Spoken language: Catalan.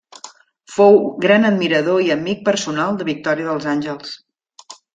Fou gran admirador i amic personal de Victòria dels Àngels.